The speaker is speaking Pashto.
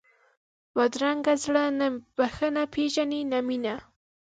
بدرنګه زړه نه بښنه پېژني نه مینه